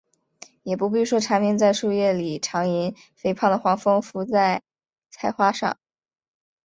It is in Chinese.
也不必说鸣蝉在树叶里长吟，肥胖的黄蜂伏在菜花上